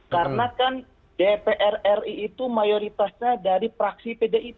karena kan dpr ri itu mayoritasnya dari praksi pdip